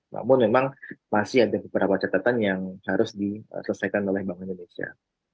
namun memang masih ada beberapa catatan yang harus diselesaikan oleh bank indonesia